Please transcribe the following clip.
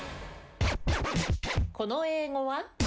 この英語は？